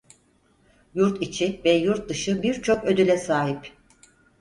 Yurt içi ve yurt dışı birçok ödüle sahip.